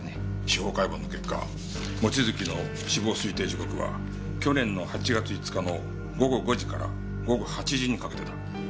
司法解剖の結果望月の死亡推定時刻は去年の８月５日の午後５時から午後８時にかけてだ。